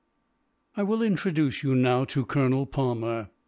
"I will introduce you, now, to Colonel Palmer.